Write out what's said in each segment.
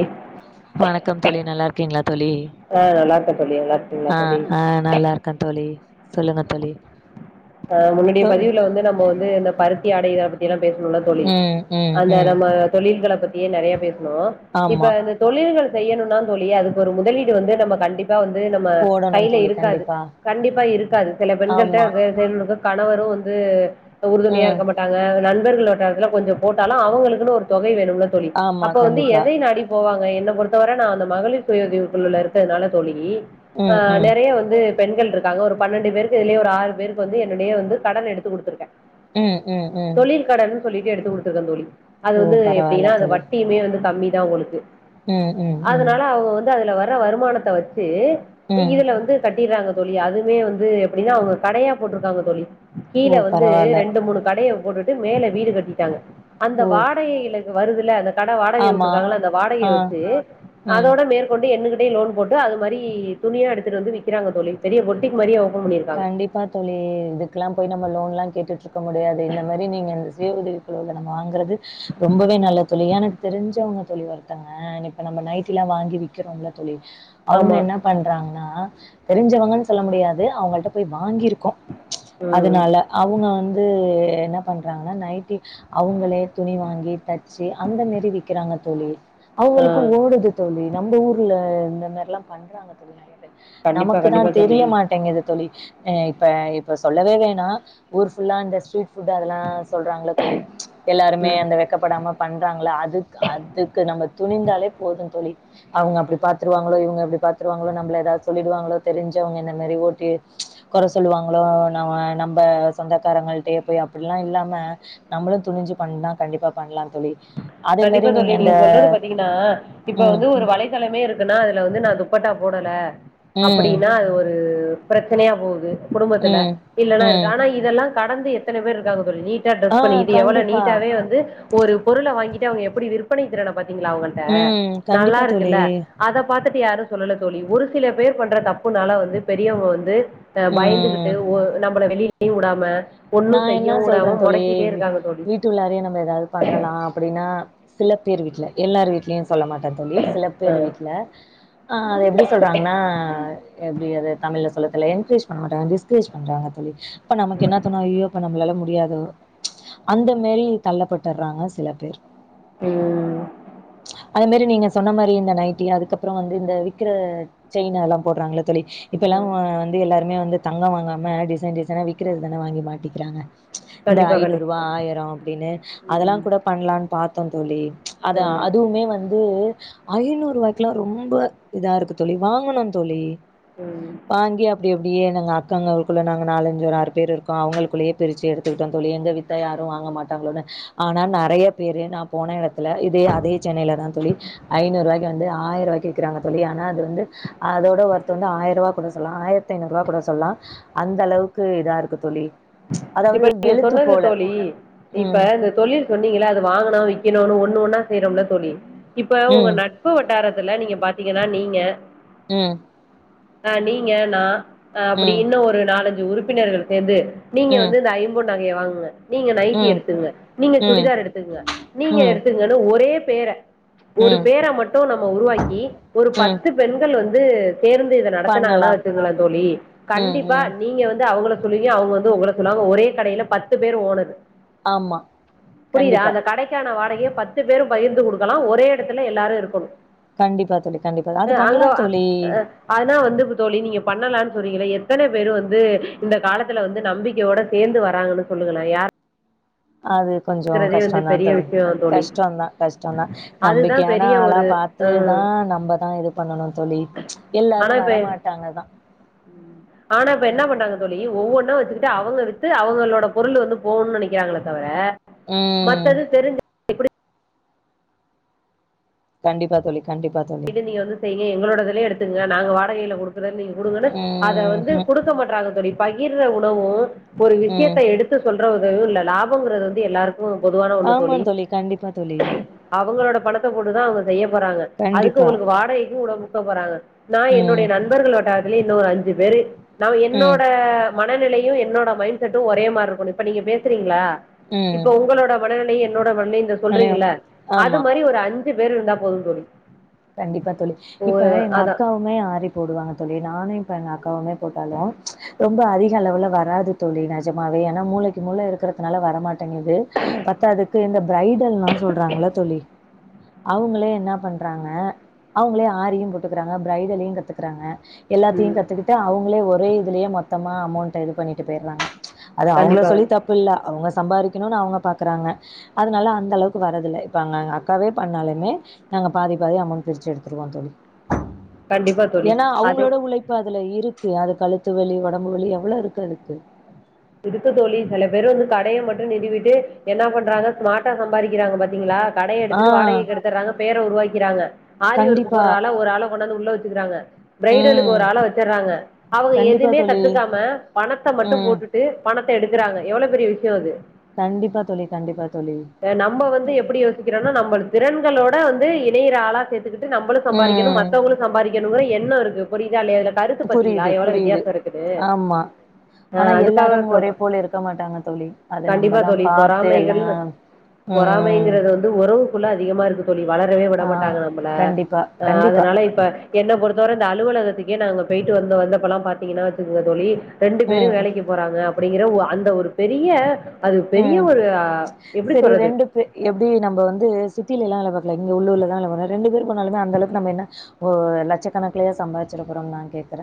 Egg வணக்கம் தோழி நல்லாருக்கீங்களா தோழி ஆ நல்லா இருக்கேன் தோழி நல்லா இருக்கீங்களா ஆ தோழி ஆ நல்லாருக் க தோழி சொல்லுங்க தோழி ஆ உன்னுடைய தோழி பதிவுல வந்து நம்ம வந்து இந்த பருத்தி ஆடை இத பத்தி பேசணும்ல தோழி ம் ம் அந்த ம் நம்ம தொழில்கள பத்தியே நெறைய பேசுணோ இப்ப ஆமா அ தொழில்கள் செய்யணும்ன்னா தோழி அதுக்கு ஒரு முதலீடு வந்து நம்ப கண்டிப் பா வந்து நம்ம போடணு கையில தோழி இருக்காது கண்டிப்பா கண்டிப்பா இருக்காது சில பெண்கள்ட்ட ஆமா வே ண்ணுக்கு கணவரும் வந்து உறுதுணியா ம் இருக்க மாட் டாங்க நண்பர்களோட இதுல கொஞ்சம் போட்டாலும் அவங்களுக்கு ஒரு தொகை வேணும்ல தோழி ஆமா அப்போ வந்து கண்டிப்பா எதை நாடி போவாங்க என்ன பொறுத்தவர நான் அந்த மகளிர் சுய உதவுக்குழுல இருக்கதுனால தோழி ஆ ம் ம் நெறையா வந்து பெண்கள்ருக்காங்க ஒரு பன்னெண்டு பேருக்கு இதுலயே ஒரு ஆறு பேருக் வந்து என்னுடைய வந்து கடன எடுத்து குடுத்துருக்கே உம் உம் உம் கடன் சொல்லிட்டு எடுத்து குடுத்துருக்கே தோழி அது ஓ வந்து பரவால்ல எப்டின்னா அது தோழி வட்டியுமே வந்து கம்மி தா உங்குளுக்கு ம் ம் ம் அதனால அவங்க வந்து அதுல வர்ற வருமானத்த வச்சி ம் இதுல வந்து கட்டிறாங்க தோழி அதுமே வந்து எப்டின்னா அவங்க கடையா போட்ருக்காங்க தோழி ஓ கீழ வந்து பரவால்ல ரெண்டு மூணு கடைய போட்டுட்டு மேல வீடு கட்டிட்டாங்க அந்த ஓ வாடகைல வருதுல அந்த கட வாடகை ஆமா வுட்ருக்காங்கள்ல அந்த வாடகையை ஆ வச்சு ம் அதோட மேலு கொண்டு என்னுகிட்டே லோன் போட்டு அது மாரி துணியா எடுத்துட்டு வந்து விக்கிறாங்க தோழி பெரிய பொட்டிக் மாரி கண்டிப்பா தோழி இதுக்குல்லா போய் நம்ம லோன் எல்லா கேட்டுட்டுருக் க்க முடியாது இந்த மாரி நீங்க இந்த சுய உதவி குழுல தா வாங்கறது ரொம்பவே நல்ல தோழி எனக்கு தெரிஞ்சவங்க தோழி ஒருத்தவங்க ஆ இப்ப நம்ம நைட்டிலா வாங்கி விக்கிறோல்ல தோழி அவுங்க ஆமா என்ன பண்றாங்ன்னா தெரிஞ்சவங்கன் சொல்ல முடியாது அவங்கள்ட்ட போய் வாங்கியிருக்கோ ம் அதுனால அவுங்க வந்து என்ன பண்றாங்ன்னா நைட்டி அவுங்களே துணி வாங்கி தச்சு அந்த மாரி விக்கிறாங்க தோழி ஆ அவுங்களுக்கு ஓடுது தோழி நம்ப ஊர்ல இந்த மாரில்லா பண்றாங்க தோழி நெறைய கண்டிப்பா நமக்கு தா கண்டிப்பா தோழி தெரிய மாட்டேங்கிது தோழி ஆ இப்ப இப்ப சொல்லவே வேணா ஊர் ஃபுல்லா இந்த ஸ்ட்ரீட் ஃபுட்டு அதெல்லா சொல்றாங்கல தோழி எல்லாருமே ம் அந்த வெ க்கப்படாம பண்றாங்ல அதுக் அதுக்கு நம்ம துணிந்தாலே போதுந்தோழி அவுங்க அப்படி பாத்துருவாங்களோ இவுங்க இப்டி பாத்துருவாங்களோ நம்பள எதாத் சொல்லிடுவாங்களோ தெரிஞ்சவங்க என்ன நெறய் ஓட்டி கொற சொல்லுவாங்களோ ந நம்ப சொந்தக்காரங்கள்ட்டையே போய் அப்பிட்ல்லா இல்லாம நம்பளு துணிஞ்சு பண்ணா கண்டிப்பா பண்லா தோழி அதே மாரி கண்டிப்பா தோழி இந்த நீங்க சொல்றது பாத்தீங்கின்னா இப்ப ம் வந்து ஒரு வலை தளமே இருக்குன்னா அதுல வந்து நா துப்பட்டா போடல ம் அப்படீனா அது ஒரு ப்ரெச்சனையா போகுது குடும்பத்துல ம் இல்லென்ன ம் இருக்கு ஆனா இதெல்லா கடந்து எத்தன பேர் இருக்காங்க தோழி நீ ட்டா ஆ ட்ரெஸ் பண்ணிக்கிட்டு எவ்வளோ கண்டிப்பா நீட்டாவே வந்து ஒரு பொருள வாங்கிட்டு அவுங்க எப்படி விற்பனைத் திறன பாத்தீங்களா அவுங்க ள்ட்ட ம் நல்லா கண்டிப்பா தோழி இருக்குல்ல அத பாத்துட்டு யாரு சொல்லல தோழி ஒரு சில பேர் பண்ற தப்புனால வந்து பெரியவ்ங்க வந்து ஆ பயந்துகிட்டு ம் ஒ நம்பள வெளிலயு உடாம நா என்ன சொல்றந் தோழி தோழி வீட்டுள்ளாரே நம்ம எதாவ்து பண்ணலா அ அப்படீனா சில பேர் வீட்ல எல்லார் வீட்லயு சொல்ல மாட்டே தோழி சில பேர் வீட்ல ஆ அது எப்படி சொல்றாங்ன்னா எப்டி அது தமிழ்ல சொல்ல தெல்ல என்கரேஜ் பண்ண மாட்டாங் டிஸ்கரேஜ் பண்றாங்க தோழி அப்ப நமக்கு என்ன தோணு அய்யோ அப்பா நம்பளால முடியாதோ அந்த மாரி தள்ளப்பட்டர்றாங்க சில பேர் ம் அது மாரி நீங்க சொன்ன மாரி இந்த நைட்டி அதுக்கப்புறோ வந்து இந்த விக்கிற செயினு அல்லா போட்றாங்ல தோழி இப்பெல்லா ம். வ வந்து எல்லாருமே வந்து தங்கோ வாங்காம டிசைன் டிசைனா விக்கிறது தானே வாங்கி மாட்டிக்கிறாங்க இந்த கண்டிப்பா ஐநூறூவா கண்டிப்பா ஆயிரோ அப்புடீனு அதெல்லா ம், கூட பண்லான் பாத்தோந் தோழி அதா அதுவுமே வந்து ஐநூறுவாய்க்கிலா ரொம்ப இதா இருக்கு தோழி வாங்கணு தோழி ம் வாங்கி அப்டி அப்டியே நாங்க அக்காங்களுக்குள்ள நாங்க நாலஞ்சு ஒரு ஆறு பேர் இருக்கு அவுங்களுக்குள்ளயே பிரிச்சு எடுத்துக்கிட்டோ தோழி எங்க வித்தா யாரு வாங்க மாட்டாங்களோனு ஆனா நெறைய பேரு நா போன எடத்துல இதே அதே சென்னையிலதா தோழி ஐநூறுவாய்க்கு வந்து ஆயிருவாய்க்கு விக்கிறாங்க தோழி ஆனா அது வந்து அதோட ஒர்த்து வந்து ஆயிருவா கூட சொல்லா ஆயிரத்தி ஐநூறுவா கூட சொல்லா அந்த அளவுக்கு இதா இருக் கு தோழி அதாவது இப்ப நீங்க வெளுத்து சொன்னது போல. தோழி இப்ப ம். இந்த தொழில் சொன்னீங்கள அது வாங்கனு விக்கணுனு ஒன்னு ஒன்னா செய்யறோம்ல தோழி இப்ப உங்க ம். நட் பு வட்டாரத்துல நீங்க பாத்தீங்கன்னா நீங்க ம் அ நீங்க நா அ அப்படி ம். இன்னு ஒரு நாலஞ்சு உறுப்பினர்கள் சேந்து நீங்க ம். வந்து இந்த ஐம்பொண் நகைய வாங்குங்க நீங்க நைட்டி ம். எடுத்துங்க நீங்க ம். சுடிதார் எடுத்துக்குங்க நீங்க ம். எடுத்துங்கனு ஒரே பேர ஒரு ம். பேரை மட்டு நம்ம உருவாக்கி ஒரு ம். பத்து பெண்கள் வந்து சேர்ந்து இத நடத்துனாங்கன்னா பண்ணலாம். வச்சிருங்களே தோழி ம். கண்டிப்பா ம். நீங்க வந்து அவுங்கள சொல்லுவீங்க அவுங்க வந் து ஒங்கள சொல்லுவாங்க ஒரே கடையில பத்து பேர் ஓனரு ஆமா. புரியுதா கண்டிப்பா. அந்த கடைக் கல்யான வாடகைய பத்து பேரு பகிர்ந்து குடுக்கலா ஒரே எடத்துல எல்லாரு இருக்கணு கண்டிப்பா தோழி கண்டிப்பா அது பண்ணலா தோழி அதனா வந்து இப்ப தோழி நீங்க பண்ணலானு சொல்றீங்களே எத்தன பேரு வந்து இந்த காலத்துல வந் து நம்பிக்கையோட தேர்ந்து வராங்கனு சொல்லுங்களே யாரு அது கொஞ்சோ வந்து கஷ்டந்தா பெரிய தோழி விஷயம் தோழி கஷ்டந்தா கஷ்டந்தா அதுதான் நம்பிக்கையான பெரிய ஆளா ஒரு பார்த் து தா அஹ் நம்மதா இது பண்ணனு தோழி எல்லாரு வரமாட்டாங்கதா ம் ஆனா இப்ப என்ன பண்றாங்க தோழி ஒவ்வொன்னா வச்சுக்கிட்டு அவுங்க வித்து அவுங்களோட பொருளு வந்து போகனு நெனைக்காங்களே தவிர ம். மத்தது தெரிஞ்ச கண்டிப்பா தோழி கண்டிப்பா தோழி இத நீங்க வந்து செய்ங்க எங்களோடதுலயே எடுத்துக்கங்க நாங்க வாடகைல குடுக்குறேனு நீங்க குடுங்கனு அத வந்து ம்ஹ்ம். குடுக் க மாட்றாங்க தோழி பகிர்ர உணவு ஒரு ம். விஷ்யத்த எடுத் து சொல்ற உதவியு இல்ல லாபம்ங்கிறது வந்து எல்லாருக்கு பொதுவான ஒன்னு ஆமா தோழி கண்டிப்பா தோழி. அவுங்களோட பணத்த போட்டுதா அவுங்க செய்ய போறாங்க அதுக்கு கண்டிப்பா. ஒங்களுக்கு வாடகைக்கு உட முட்ட போறாங்க நா என்னுடைய ம். நண்பர்கள் வட்டாரத்துலயே இன்னு ஒரு அஞ்சு பேரு நா ம். என்னோட மனநிலையு என்னோட மைண்ட் செட்டு ஒரே மாரி இருக்கனு இப்ப நீங்க பேசுறீங்களா ம். இப்ப உங்களோட மனநிலையு என்னோட மன நிலையு இந்தா மலையாளம். சொல்றீங்கல்ல அது ஆமா. மாரி ஒரு அஞ்சு பேர் இருந்தா போது தோழி கண்டிப்பா தோழி ஓ இப்ப எங்க அதா அக்காவு மே ஆரி போடுவாங்க தோழி நானு இப்ப எங்க அக்காவுமே போட்டாலு ரொம்ப அதிக அளவுல வராது தோழி நெஜமாவே ஏனா மூலைக்கு மூலை இருக்கறதுனால வரமாட்டேங்குது பத்தாதுக்கு இந்த பிரைடல்னா சொல்றாங்கல தோழி அவுங்களே என்ன பண்றாங்க ஆ அவுங்களே ஆரியு போட்டுக்கிறாங்க பிரைடலையு கத்துக்கிறாங்க எல்லாத்தையு ம் கத்துக்கிட் டு அவுங்களே ஒரே இதுலயே மொத்தமா அமௌன்ட்ட இது பண்ணிட்டு போயிறாங்க அது அவுங்கள கண்டிப்பா சொல்லியு தப் பு இல்ல அவுங்க சம்பாறிக்கணுனு அவுங்க பாக்குறாங்க அதனால அந்த அளவுக்கு வரது இல்ல இப்ப அங்க எங்க அக்காவே பண்ணாலுமே நாங்க பாதி பாதி அமௌன்ட் பிரிச்சு எடுத்துடுவோ தோழி கண்டிப்பா தோழி ஏனா அதே அவுங்களோட உழைப் இப்ப அதுல இருக்கு அது கழுத்து வலி ஒடம்பு வலி எவ்ளோ இருக்கு அதுக்கு இருக்கு தோழி சில பேரு வந்து கடைய மட்டு நிறுவிட்டு என்ன பண்றாங்க ஸ்மார்ட்டா சம்பாறிக்கிறாங்க பாத்தீங்களா கடைய ஆ எடுத்துட்டு வாடகைக்கு எடுத்துடுறாங்க பேரை உருவாக்கிறாங்க ஆரி ஒர்க் கண்டிப்பா போடுற ஆள ஒரு ஆள கொண்டந்து உள்ள வச்சுக்கிறாங்க பிரைடலுக்கு ம் ஒரு ஆள வச்சுடுறாங்க அவுங்க கண்டிப்பா எதுமே தோழி கத்துக்காம பணத்த மட்டு ம் போட்டுட் டு பணத்த எடுக்கறாங்க எவ்ளோ பெரிய விஷ்யம் அது கண்டிப்பா தோழி கண்டிப்பா தோழி நிக்கிறோனா நம்மளுக் திறன்களோட வந்து இணையிற ஆளா சேர்த்துக்கிட்டு நம்பளு சம்பாறிக்கணு ம் மத்தவங்களுக் சம்பாறிக்கணுங்கிர எண்ணோ இருக்கு புரியுதா இல்லையா இதுல கருத்து பாத்தீங்களா புரியுது எவ்ளோ புரியுது வித்தியாசோ இருக்குது ஆ அதுக் தும் ஒரே போல இருக்க மாட்டாங்க தோழி அது கண்டிப்பா நம்பதா தோழி பார்த்து எல்லா பொறாமைகள் பொறாமைங்கிறது வந்து உறவுக்குள்ள அதிகமா இருக்கு தோழி வளரவே விட ஆ மாட்டாங்க நம்பள கண்டிப்பா ஆ கண்டிப்பா அதனால இப்ப என்ன பொறுத்தவர இந்த அலுவலகத்துக்கே நாங்க போய்டு வந்து வந்தப்பல்லா பாத்தீங்கன்னா வச்சிக்குங்க தோழி ரெண்டு பேரு ம் வேலைக்கு போறாங்க அப்டிங்கிற அந்த ஒரு பெரிய அது பெரிய ம் ஒரு எப்டி சரி சொல்றது ரெண்டு பே எப்டி நம்ம வந்து சிட்டிலல்லா வேலபார்க்கல இங்க உள்ளுர்லாதா வேலபாக்கு ரெண்டு பேரு போனாலுமோ அந்த அளவுக்கு நம்ம என்ன ஓ லட்சக்கணக்கிலேயே சம்பாதிச்சிறபோறோ நா கேக்குற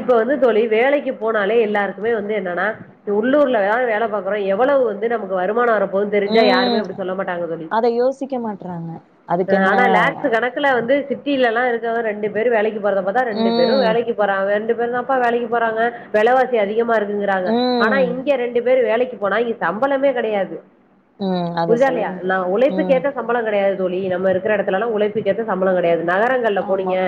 இப்ப வந்து தோழி வேலைக்கு போனாலே எல்லாருக்குமே வந்து என்னனா இந்த உள்ளூர்ல வேற வேல பாக்குறோ எவ்வளவு வந்து நமக்கு வருமான வரப் போது தெரிஞ்சா யாருமே ம் அப்டி சொல்ல மாட்டாங்க தோழி அத யோசிக்க மாட்றாங்க அதுக்கென்ன ஆனா லேக்ஸ்சு கணக் குல வந்து சிட்டிலல்லா இருக்க ரெண்டு பேரு வேலைக்கு போறத பாத்தா ரெண்டு பேரு ம் வேலைக்கி றங்க ரெண்டு பேரு தான்ப்பா வேலைக்கி போறாங்க வெலவாசி அதிகமா இருக்குங்கிறாங்க ஆனா ம் இங்க ரெண்டு பேரு வேலைக்கி போனா இங்க சம்பளமே கெடையாது ம் அத புரிதா இல்லையா சொல்லுங்க நா உழைப்புக்கு ம் ஏத்த சம்பள கெடையாது தோழி நம்ம இருக்கிற இடத்துலல்லா உழைப்புக்கேத்த சம்பளோ கெடையாது நகரங்கள்ல ஆமா போனீங்க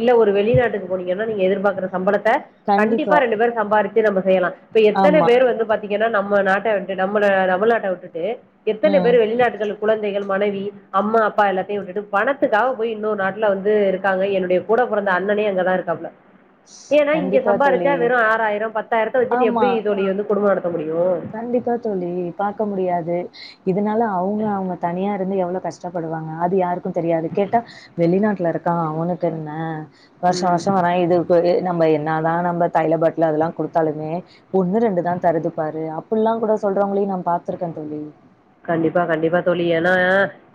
இல்ல ஒரு வெளிநாட்டுக்கு போனீங்கன்னா நீங்க எதிர்பார்க்கிற சம்பளத்தா கண்டிப்பா ரெண்டு பேரு சம்பாரிச்சு நம்ம செய்யலா இப்ப எத்தன ஆமா பேரு வந்து பாத்தீங்கன்னா நம்ம நாட்ட விட்டு நம்மள தமிழ்நாட்ட விட்டுட்டு எத்தன ம் பேரு வெளிநாட்டுகளுக் கொழந்தைகள் மனைவி அம்மா அப்பா எல்லாத்தையு விட்டுட்டு பணத்துக்காக போய் இன்னொரு நாட்ல வந்து இருக்காங்க என்னுடைய கூட பொறந்த அண்ணனே அங்கதா இருக்காப்புல ஏன்னா இங்க கண்டிப்பா சம்பாரிச்சா தோழி வெறு ஆறாயிரோ பத்தாயிரத்த வச்சுட்டு ஆமா எப்டி தோழி வந்து குடும்ப நடத்த முடியு கண்டிப்பா தோழி பார்க்க முடியாது இதனால அவுங்க அவுங்க தனியா இருந்து எவ்ளோ கஷ்டப்படுவாங்க அது யாருக்கு தெரியாது கேட்டா வெளிநாட்ல இருக்கான் அவனுக்கு என்ன வர்ஷ ம் வர்ஷோ வர்ற இது ப்பவே நம்ம என்ன தா நம்ம தைல பாட்ல அதெல்லா குடுத்தாலுமே ஒண்ணு ரெண்டு தா தருது பாரு அப் அப்பல்லா கூட சொல்றவங்களையு நா பாத்துருக்கே தோழி கண்டிப்பா கண்டிப்பா தோழி ஏன்னா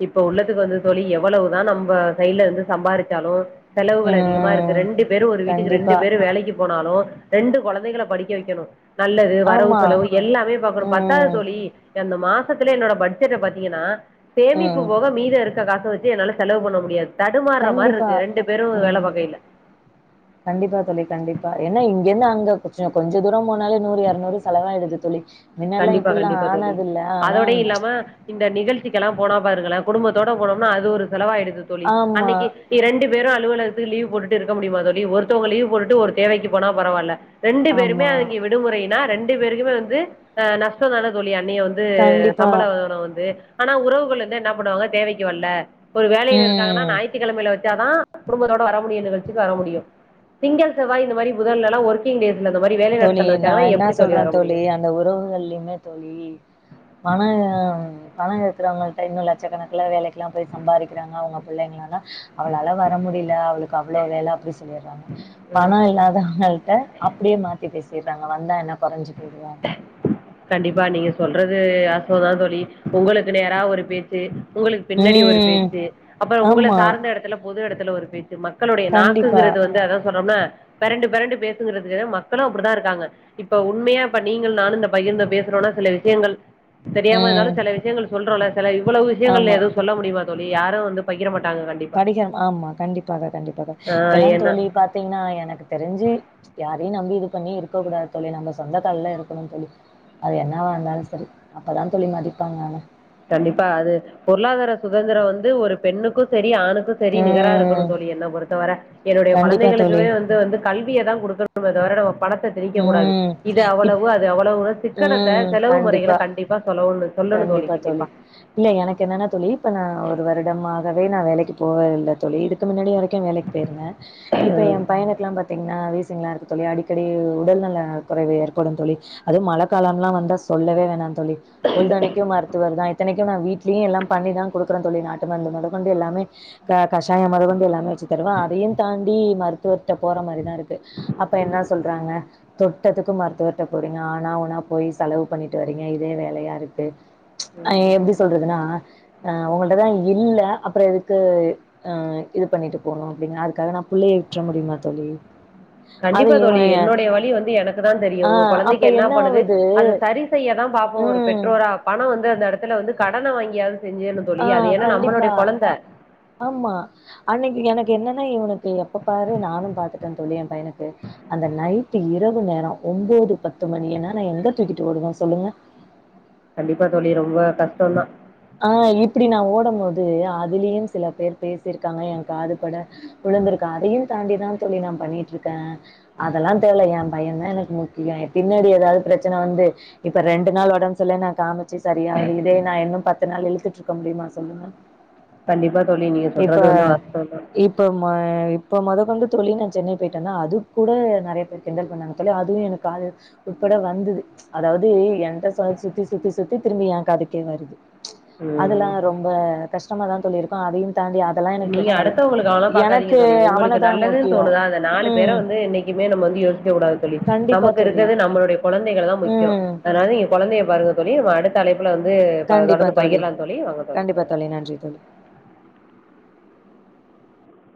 இப்ப உள்ளத்துக்கு வந்து தோழி எவ்வளவுதா நம்ம சைட்ல இருந்து சம்பாரிச்சாலு செலவுகள் அதிகமா இருக்கு ம். ரெண்டு பேரு ஒரு வீட்டுக்கு ரெண்டு கண்டிப்பா. பேரு வேலைக்கி போனாலு ரெண்டு கொழந்தைங்கள படிக்க வைக்கணு நல்லது வரவு ஆமா. செலவு எல்லாமே பார்க்கணு பத்தாது ம். தோழி அந்த மா சத்திலே என்னோட பட்ஜெட்ட பாத்தீங்கன்னா சேமிப்பு ம். போக மீத இருக்க காச வச்சி என்னால்ல செலவு பண்ண முடியாது தடுமார்ற கண்டிப்பா. மார்ருக்கு ரெண்டு பேரு வேல ம். பாக்ககையில கண்டிப்பா தோழி கண்டிப்பா ஏன்னா இங்கிருந்து அங்க கொஞ்ச கொஞ்ச தூர போனாலே நூறு இருநூறு செலவாயிடுது தோழி மின்னல்லாம் கண்டிப்பா இப்படிலாம் கண்டிப்பா தோழி ஆனதில்ல. ஆனா அதோடை இல்லாம இந்த நிகழ்ச்சிக்கெல்லா போனா பாருங்களே குடும்பத்தோட போனோம்னா அது ஒரு செலவாயிடுது தோழி ஆமா, அன்னைக்கி இரண்டு பேரு அலுவலகத்துக்கு லீவ் போட்டு இருக்க முடியுமா தோழி ஒருத்தவுங்க லீவ் போட்டுட்டு ஒரு தேவைக்கி போனா பரவால்ல ரெண்டு பேருமே ஆமா. அங்க விடுமுறைனா ரெண்டு பேருக்குமே வந்து அ நஷ்ட தானே தோழி அன்னிய வந் து கண்டிப்பா. சம்பள வந்து ஆனா உறவுகள் வந்து என்னா பண்ணுவாங்க தேவைக்கு வல்ல ஒரு வேலையில இருக்காங்கன்னா ம். ஞாயித்துக்கிழமையில வ ச்சாதா குடும்பத்தோடு வர முடியு நிகழ்ச்சிக்கு வர முடியு திங்கள் செவ்வாய் இந்த மாரி முதல்லல்லா ஒரு ஒர்க்கிங் டேஸ்ல இந்த மாரி வேலைநாட்கள்ல வச்சாங்கனா எப்டி தோழி ‌வர‌ முடியு இந்த உறவுகள்லியுமே தோழி பண பண இருக்கிறவுங்கள்ட்ட இன்னு லட்சக்கணக்கல வேலைக்கெல்லா போய் சம்பாரிக்கிறாங்க அவுங்க புள்ளைங்களளா அவளால வர முடில அவளுக்கு அவ்ளோ வேல அப்டி சொல்லிர்றாங்க ம். பணோ இல்லாதவுங்கள்ட்ட அப்டியே மாத்தி செய்றாங்க வந்தா என்ன கொறைஞ்சி போயிடுவோ கண்டிப்பா நீங்க சொல்றது வாஸ்தவ தா தோழி உங்களுக்கு நேரா ஒரு பேச் சு உங்களுக்கு பின்னாடி ஒரு ம் பேச்சு அப்பற உங்கள‌ ஆமா சாந்த எடத்துல பொது எடத்துல ஒரு பேச்சு மக்களுடைய கண்டிப்பா நாக்குங்கிறது வந்து அதா சொல்றம்னா பெரண்டு பெரண்டு பேசுங்கிறதுக்கு மக்களும் அப்டிதா இருக்காங்க இப்ப உண்மையா இப்ப நீங்களு நானும் இந்த பையன்ட‌ பேசுறோன சில விஷயங்கள் தெரியாம இருந்தாலு ம் சில விஷயங்கள் சொல்றல சில இவ்ளோ விஷயங்கள் ஆமா எதும் சொல்ல முடியுமா தோழி யாரு வந்து பகிர மாட்டாங்க கண்டிப் படிக்கிறோ ஆமா கண்டிப்பாக கண்டிப்பாக ஆ இப்பல்லா ஏன்னா தோழி பாத்தீங்கன்னா எனக்கு தெரிஞ்சு யாரையு நம்பி இது பண்ணி இருக்க கூடாது தோழி நம்ம சொந்த கால்ல இருக்கணும் தோழி அது என்னாவா இருந்தாலு சரி அப்ப தா தோழி மதிப்பாங்க ஆனா கண்டிப்பா அது பொருளாதார சுதந்திர வந்து ஒரு பெண்ணுக்கும் சரி ஆணுக்கும் செரி நிகர இருக்கனும் ம் தோழி என்ன பொறுத்தவர என்னுடைய கண்டிப்பா குழந்தைகளுக்கு தோழி வந்து வந்து கல்விய தா கொடுக்கனுமே தவிர பணத்த திணிக்க கூடாது ம் இது இப் அவ்வளவு அது அவ்வளவு சிக்கனத்த செலவு முறைகளை கண்டிப்பா சொல்ல சொல்லணும் தோழி கண்டிப்பா இல்ல எனக்கு என்னன்னா தோழி இப்ப நா ஒரு வருடமாகவே நா வேலைக்கு போக இல்ல தோழி இதுக்கு முன்னாடி வரைக்கும் வேலைக்கு போயிருந்த இப்ப எய பையனுக்ககெல்லா பாத் பாத்திங்கன்னா வீசிங்கலா இருக்கு தோழி அடிக்கடி உடல்நல குறைவு ஏற்படும் தோழி அதும்‌ மழை கால எல்லா வந்தா சொல்லவே வேணா தோழி பொழுதனிக்கும்‌மறு வருதா இத்தனைக்கும் நா வீட்லயு எல்லா பண்ணிதா கொடுக்குற தோழி நாட்டுமருந்து மொதக்கொண்டு எல்லாமே க கஷாய மொதகொண்டு எல்லாமே வச்சு தருவ அதையு தாண்டி மருத்துவர்ட்ட போற மாதிரிதா இருக்கு இங்கு அப்ப என்ன சொல்றாங்க தொட்டதுக்கு மருத்துவர் க போறீங்க ஆனா உன்னா போய் செலவு பண்ணிட்டு வறீங்க இதே வேலையா இருக்கு அ ம். எப்டி சொல்றதுனா‌ அ உங்கள்ட தா இல்ல அப்பற எதுக்கு ஆ இது பண்ணிட்டு போணு அப்டின்னா அதுக்காக நா புள்ளைய வி்ட்ற முடியுமா தோழி அது கண்டிப்பா தோழி இவ என்னுடைய வழி வந்து எனக்கு தா தெரியும் ஆ உங்க அப்ப கொழந்தைக்கு என்ன பண்ணுது ஆவுது அத சரி செய்யாதா பாப்போ ஒரு ம் பெற்றோரா பண வந்து அந்த எடத்துல வந்து கடன்ன வாங்கியாவது செஞ்சு ஆ தோழி ‌அது ஏன்னா கண்டிப்பா நம்மளுடைய கொழந்த ஆமா அன்னைக்கு எனக்கு என்னன்னா இவனுக்கு எப்ப பாரு நானு பாத்துட்ட தோழி எய பையனுக்கு அந்த நைட்டு இரவு நேர ஒன்போது பத்து மணி ஏன்னா நா எங்க தூக்கிடு வோடுவ சொல்லுங்க கண்டிப்பா தோழி ரொம்ப கஷ்டம்தா ஆ இப்டி நா ஓடும் போது அதுலயு சில பேர் பேசிருக்காங்க எய காதுபட வுழுந்திருக்க அதையும் தாண்டி தா தோழி நா பண்ணிட்டு இருக்க அதெல்லா தேவல்ல எய பையதா எனக்கு முக்கிய பின்னாடி ஏதாவது பிரச்சன வந்து இப்ப ரெண்டு நாள் ஒடம்பு சரியில்லன்னா காமிச் ச்சு சரியாது இதே நா இன்னும் பத்து நாள் இழுத்துட்டு இருக்க முடியுமா சொல்லுங்க கண்டிப்பா தோழி நீங்க இப்ப சொல்றது வந்து வாஸ்வதா இப்ப இப்ப மொதக்கொண்டு தோழி நா சென்னைக்கு போயிட்டு வந்த அது கூட நெறைய பேர் கிண்டல் பண்ணாங்க தோழி அதுவும் எனக்கு காது உட்பட வந்தது அதாவது என்ட சொல் சுத்தி சுத்தி சுத்தி திரும்பி எய காதுக்கே வருது அதெல்லா ம் ரொம்ப கஷ்டமா தா தோழி இருக்கும் அதையு தாண்டி அதெல்லா எனக்கு நீங்க பெருசா இல்ல அடுத்தவங்களுக்காக ல்லா பாக்காதீங்க எனக்கு தோழி உங்களுக்கு அவனதா நல்லதுன்னு முக்கியோ தோணுதா அத நாலு பேர ம் வந்து என்னைக்கு க்குமே நம்ம வந்து யோசிக்க கூடாது தோழி கண்டிப்பா நமக்கு தோழி இருக்கிறது நம்மளுடைய கொழந்தைகள் தா முக்கியம் ம் அதனால குழந்தைய பாருங்க தோழி நம்ம அடுத்த அழைப்புல வந்து தொடர்ந்து பகிரலா தோழி கண்டிப்பா [unintelligible] தோழி நன்றி தோழி